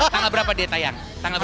tanggal berapa dia tayang